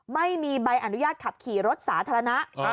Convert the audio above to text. ไม่มีใบอนุญาตขับขี่รถสาธารณะ